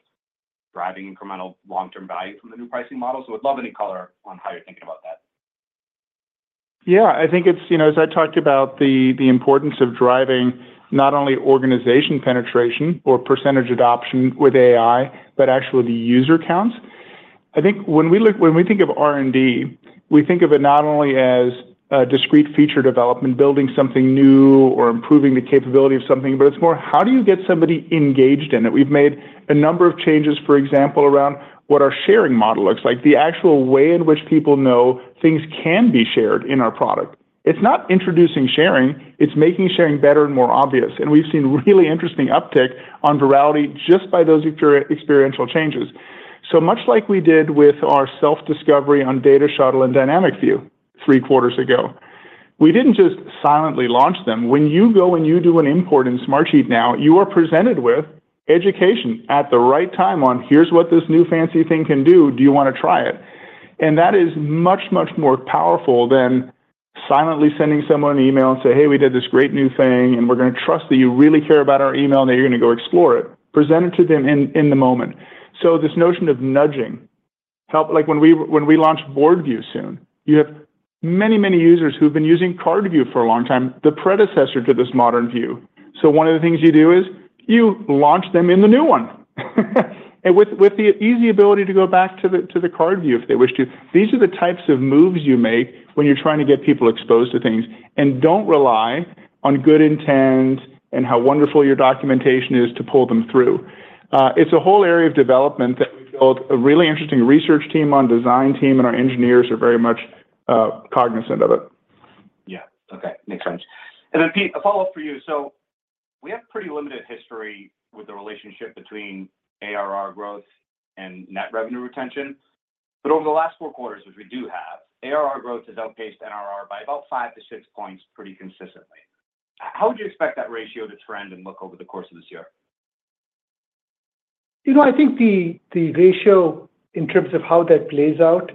driving incremental long-term value from the new pricing model, so I'd love any color on how you're thinking about that. Yeah, I think it's, you know, as I talked about the importance of driving not only organization penetration or percentage adoption with AI, but actually the user counts. I think when we think of R&D, we think of it not only as a discrete feature development, building something new or improving the capability of something, but it's more, how do you get somebody engaged in it? We've made a number of changes, for example, around what our sharing model looks like, the actual way in which people know things can be shared in our product. It's not introducing sharing, it's making sharing better and more obvious, and we've seen really interesting uptick on virality just by those experiential changes. So much like we did with our self-discovery on Data Shuttle and Dynamic View three quarters ago, we didn't just silently launch them. When you go and you do an import in Smartsheet now, you are presented with education at the right time on, "Here's what this new fancy thing can do. Do you wanna try it?" And that is much, much more powerful than silently sending someone an email and say, "Hey, we did this great new thing, and we're gonna trust that you really care about our email and that you're gonna go explore it." Present it to them in, in the moment. So this notion of nudging help—like, when we, when we launch Board View soon, you have many, many users who've been using Card View for a long time, the predecessor to this modern view. So one of the things you do is you launch them in the new one. And with the easy ability to go back to the Card View if they wish to. These are the types of moves you make when you're trying to get people exposed to things, and don't rely on good intent and how wonderful your documentation is to pull them through. It's a whole area of development that we built a really interesting research team on, design team, and our engineers are very much cognizant of it. Yeah. Okay. Makes sense. And then, Pete, a follow-up for you. So we have pretty limited history with the relationship between ARR growth and net revenue retention, but over the last 4 quarters, which we do have, ARR growth has outpaced NRR by about 5-6 points pretty consistently. How would you expect that ratio to trend and look over the course of this year? You know, I think the ratio, in terms of how that plays out,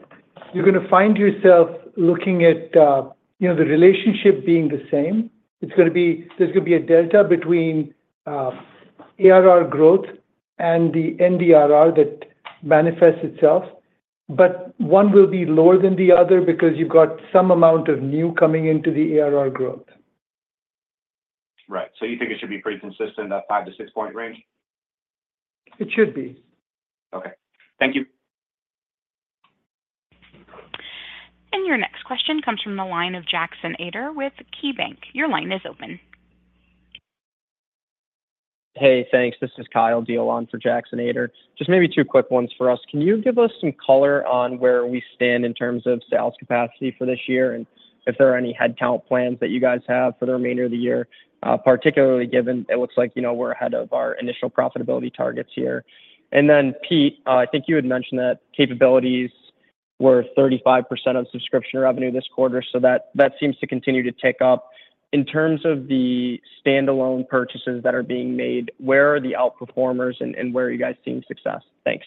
you're gonna find yourself looking at, you know, the relationship being the same. It's gonna be... There's gonna be a delta between, ARR growth and the NDRR that manifests itself, but one will be lower than the other because you've got some amount of new coming into the ARR growth. Right. So you think it should be pretty consistent, that 5-6-point range? It should be. Okay. Thank you. Your next question comes from the line of Jackson Ader with KeyBanc. Your line is open. Hey, thanks. This is Kyle Diehl for Jackson Ader. Just maybe two quick ones for us. Can you give us some color on where we stand in terms of sales capacity for this year, and if there are any headcount plans that you guys have for the remainder of the year, particularly given it looks like, you know, we're ahead of our initial profitability targets here? And then, Pete, I think you had mentioned that capabilities were 35% of subscription revenue this quarter, so that, that seems to continue to tick up. In terms of the standalone purchases that are being made, where are the outperformers, and where are you guys seeing success? Thanks.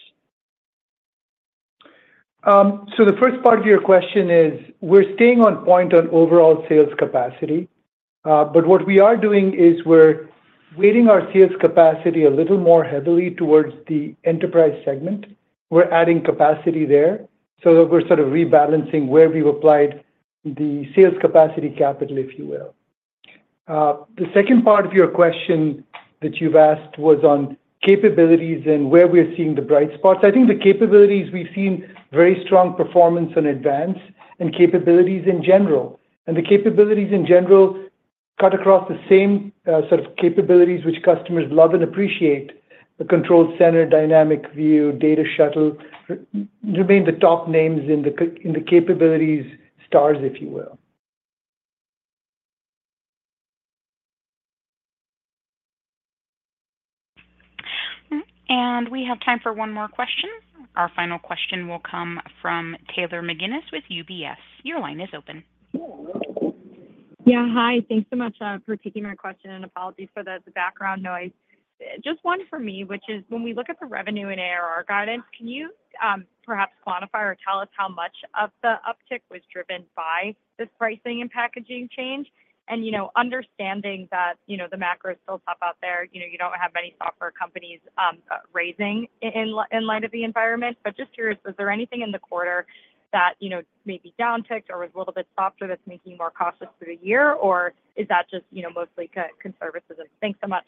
So the first part of your question is, we're staying on point on overall sales capacity, but what we are doing is we're weighting our sales capacity a little more heavily towards the enterprise segment. We're adding capacity there. So we're sort of rebalancing where we've applied the sales capacity capital, if you will. The second part of your question that you've asked was on capabilities and where we're seeing the bright spots. I think the capabilities we've seen very strong performance in Advance and capabilities in general. And the capabilities in general cut across the same sort of capabilities which customers love and appreciate. The Control Center, Dynamic View, Data Shuttle remain the top names in the capabilities stars, if you will. We have time for one more question. Our final question will come from Taylor McGinnis with UBS. Your line is open. Yeah. Hi, thanks so much, for taking my question, and apologies for the, the background noise. Just one for me, which is, when we look at the revenue and ARR guidance, can you, perhaps quantify or tell us how much of the uptick was driven by this pricing and packaging change? And, you know, understanding that, you know, the macro is still tough out there, you know, you don't have many software companies, raising in light of the environment. But just curious, is there anything in the quarter that, you know, maybe down-ticked or was a little bit softer that's making you more cautious through the year, or is that just, you know, mostly conservatism? Thanks so much.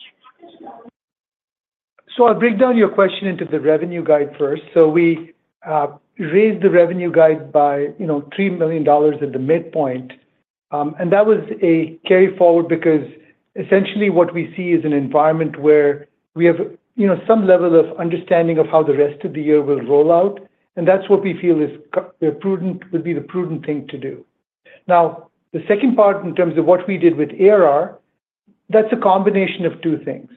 So I'll break down your question into the revenue guide first. So we raised the revenue guide by, you know, $3 million at the midpoint, and that was a carry-forward because essentially what we see is an environment where we have, you know, some level of understanding of how the rest of the year will roll out, and that's what we feel is prudent, would be the prudent thing to do. Now, the second part, in terms of what we did with ARR, that's a combination of two things.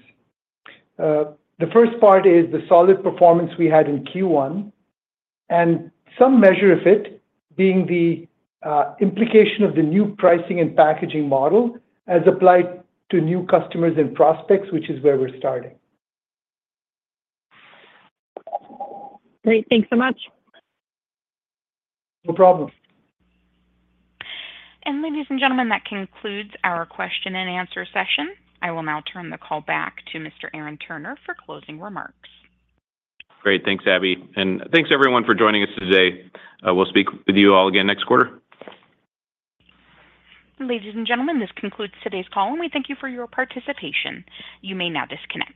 The first part is the solid performance we had in Q1, and some measure of it being the implication of the new pricing and packaging model as applied to new customers and prospects, which is where we're starting. Great. Thanks so much. No problem. Ladies and gentlemen, that concludes our question and answer session. I will now turn the call back to Mr. Aaron Turner for closing remarks. Great. Thanks, Abby, and thanks everyone for joining us today. We'll speak with you all again next quarter. Ladies and gentlemen, this concludes today's call, and we thank you for your participation. You may now disconnect.